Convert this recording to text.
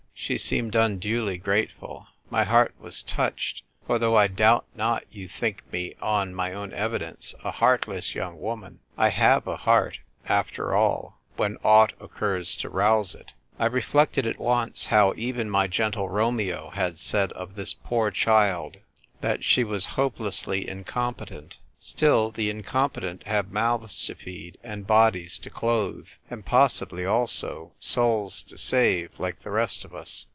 She seemed unduly grateful. My heart was touched, for though I doubt not you think me, on my own evidence, a heartless young woman, I have a heart, after all, when aught occurs to rouse it. I reflected at once how even my gentle Romeo had said of this poor child that she was hope FRESH LIGHT ON ROMEO. 1 57 lessly incompetent. Still, the incompetent have mouths to feed, and bodies to clothe, and possibly, also, souls to save, like the rest of us.